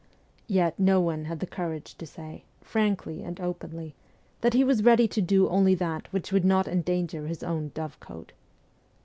Yet no one had the courage to say, frankly and openly, that he was ready to do only that which would not endanger his own dovecote.